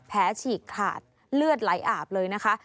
ฉีกขาดเลือดไหลอาบเลยนะคะ